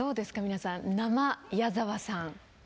皆さんナマ矢沢さん。